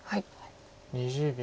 ２０秒。